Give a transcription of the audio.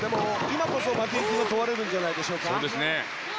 今こそ負けん気が問われるんじゃないでしょうか。